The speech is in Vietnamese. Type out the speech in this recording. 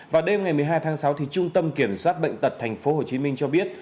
vào đêm ngày một mươi hai tháng sáu trung tâm kiểm soát bệnh tật tp hcm cho biết